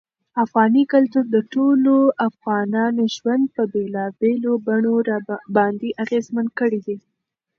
افغاني کلتور د ټولو افغانانو ژوند په بېلابېلو بڼو باندې اغېزمن کړی دی.